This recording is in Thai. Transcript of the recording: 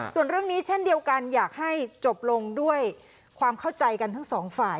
ส่วนเรื่องนี้เช่นเดียวกันอยากให้จบลงด้วยความเข้าใจกันทั้งสองฝ่าย